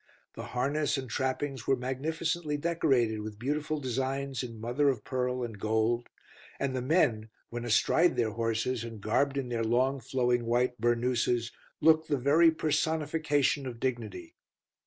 The harness and trappings were magnificently decorated with beautiful designs in mother of pearl and gold, and the men, when astride their horses and garbed in their long flowing white burnouses, looked the very personification of dignity.